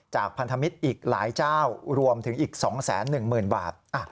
พันธมิตรอีกหลายเจ้ารวมถึงอีก๒๑๐๐๐บาท